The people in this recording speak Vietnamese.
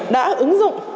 đã ứng dụng